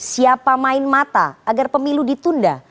siapa main mata agar pemilu ditunda